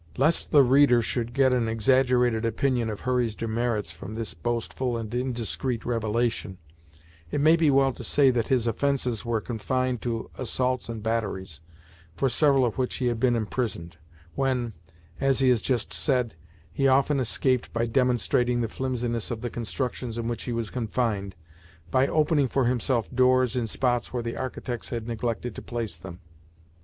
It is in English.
Lest the reader should get an exaggerated opinion of Hurry's demerits from this boastful and indiscreet revelation, it may be well to say that his offences were confined to assaults and batteries, for several of which he had been imprisoned, when, as he has just said, he often escaped by demonstrating the flimsiness of the constructions in which he was confined, by opening for himself doors in spots where the architects had neglected to place them.